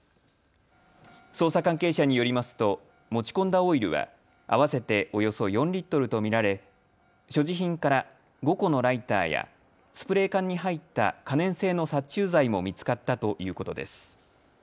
捜査関係者によりますと持ち込んだオイルは合わせておよそ４リットルと見られ所持品から５個のライターやスプレー缶に入った可燃性の殺虫剤も見つかったということです。